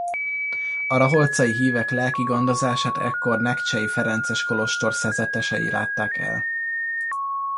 A raholcai hívek lelki gondozását ekkor nekcsei ferences kolostor szerzetesei látták el.